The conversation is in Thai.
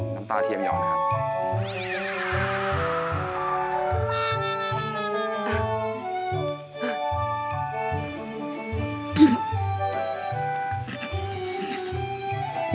น้ำตาเทียมหยองนะครับ